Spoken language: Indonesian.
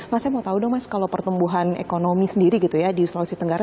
mas saya mau tahu dong mas kalau pertumbuhan ekonomi sendiri gitu ya di sulawesi tenggara